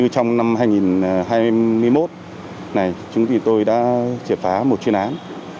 trong năm hai nghìn hai mươi một chúng tôi đã triển phá một chuyên án